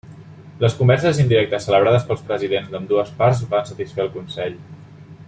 Les converses indirectes celebrades pels presidents d'ambdues parts van satisfer el Consell.